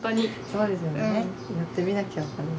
そうですよねやってみなきゃ分かんない。